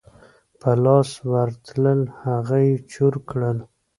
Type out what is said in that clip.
په لاس ورتلل هغه یې چور کړل.